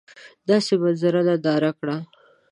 داسي منظره ننداره کړه !